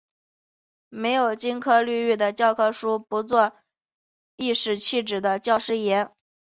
没有金科绿玉的教科书，不做颐使气指的教师爷